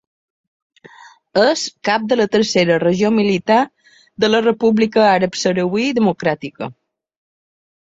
És cap de la tercera regió militar de la República Àrab Sahrauí Democràtica.